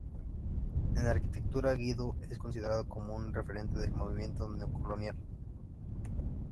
En arquitectura, Guido es considerado como un referente del movimiento neocolonial.